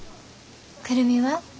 久留美は？